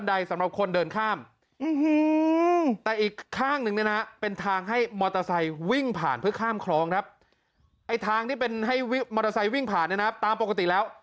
ไอ้ทางที่เป็นให้มอเตอร์ไซค์วิ่งผ่านเนี่ยนะตามปกติแล้ว